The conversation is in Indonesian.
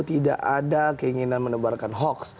tidak ada keinginan menebarkan hoax